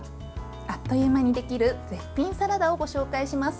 あっという間にできる絶品サラダをご紹介します。